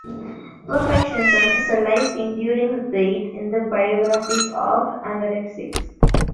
Perfectionism is a life enduring trait in the biographies of anorexics.